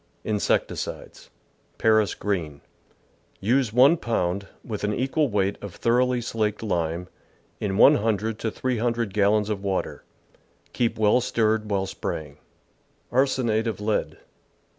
Insecticides Paris Green. — Use 1 pound, with an equal weight of thoroughly slaked lime, in 100 to 300 gallons of water. Keep well stirred while spraying. Arsenate of Lead.